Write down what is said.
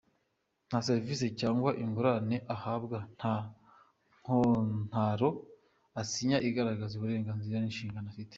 Nta servisi cyangwa ingurane ahabwa, nta kontaro asinya igaragaza uburenganzira n’inshingano afite.